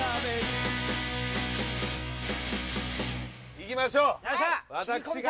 いきましょう私が。